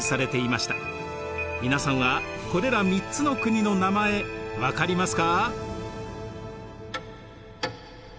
皆さんはこれら３つの国の名前分かりますか？